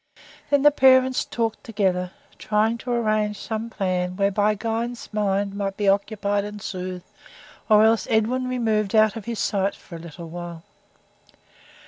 Then the parents talked together, trying to arrange some plan whereby Guy's mind might be occupied and soothed, or else Edwin removed out of his sight for a little while.